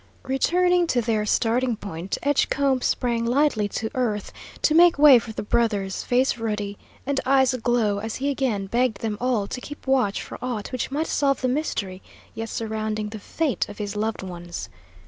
Returning to their starting point, Edgecombe sprang lightly to earth to make way for the brothers, face ruddy and eyes aglow as he again begged them all to keep watch for aught which might solve the mystery yet surrounding the fate of his loved ones.